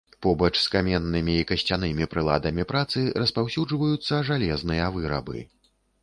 Побач з каменнымі і касцянымі прыладамі працы распаўсюджваюцца жалезныя вырабы.